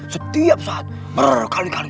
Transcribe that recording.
setiap saat berkali kali